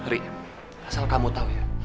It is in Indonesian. riz asal kamu tau ya